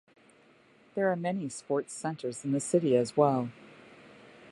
There are many sports centres in the city as well.